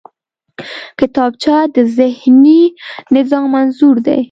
کتابچه د ذهني نظم انځور دی